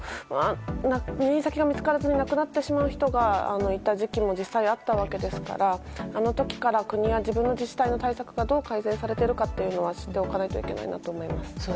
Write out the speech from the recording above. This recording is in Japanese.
入院先が見つからず亡くなってしまう人がいた時期が実際にあったわけですからあの時から国や自分の自治他の対策がどう改善されているかを知っておかなければいけないと思います。